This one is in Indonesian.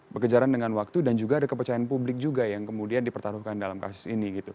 berkejaran dengan waktu dan juga ada kepercayaan publik juga yang kemudian dipertaruhkan dalam kasus ini gitu